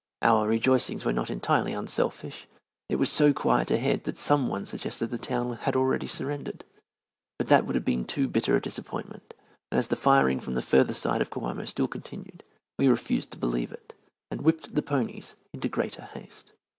Our rejoicings were not entirely unselfish. It was so quiet ahead that some one suggested the town had already surrendered. But that would have been too bitter a disappointment, and as the firing from the further side of Coamo still continued, we refused to believe it, and whipped the ponies into greater haste.